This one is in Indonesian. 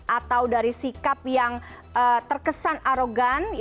atau dari sikap yang terkesan arogan